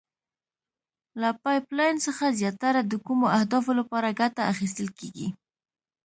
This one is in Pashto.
له پایپ لین څخه زیاتره د کومو اهدافو لپاره ګټه اخیستل کیږي؟